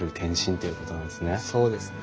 そうですね。